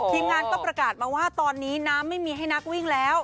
ทีมงานก็ประกาศมาว่าตอนนี้น้ำไม่มีให้นักวิ่งแล้ว